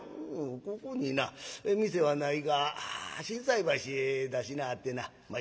「ここにな店はないが心斎橋へ出しなはってなまあ